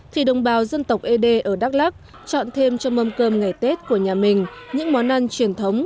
thì đồng bào dân tộc ế đê ở đắk lắk chọn thêm cho mâm cơm ngày tết của nhà mình những món ăn truyền thống